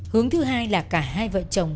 hướng thứ hai là cả hai vợ chồng